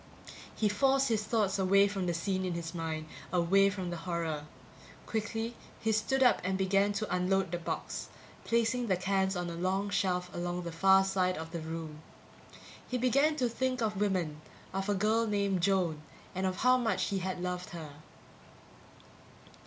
He forced his thoughts away from the scene in his mind away from the horror; quickly he stood up and began to unload the box, placing the cans on a long shelf along the far side of the room. He began to think of women, of a girl named Joan, and of how much he had loved her